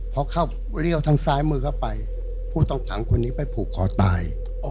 พอเข้าเรี่ยวทางซ้ายมือเข้าไปผู้ต้องขังคนนี้ไปผูกคอตาย